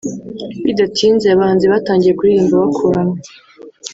Bidatinze abahanzi batangiye kuririmba bakuranwa